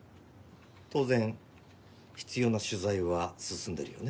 当然必要な取材は進んでるよね？